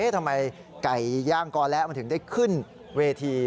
ทำไมไก่ย่างกอและมันถึงได้ขึ้นเวที